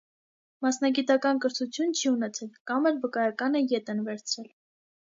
Մասնագիտական կրթություն չի ունեցել, կամ էլ վկայականը ետ են վերցրել։